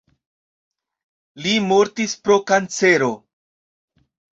Li mortis pro kancero.